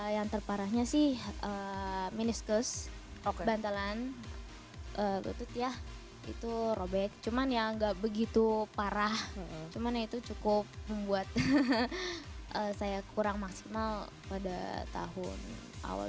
yang terparahnya sih meniscus bantalan lutut ya itu robek cuman yang gak begitu parah cuman ya itu cukup membuat saya kurang maksimal pada tahun awal dua ribu lima belas dua ribu empat belas dua ribu lima belas